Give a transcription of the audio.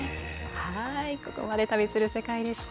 ここまで「旅する世界」でした。